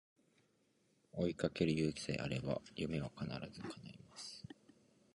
追いかける勇気さえあれば夢は必ず叶います